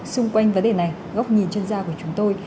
xung quanh vấn đề này góc nhìn chuyên gia của chúng tôi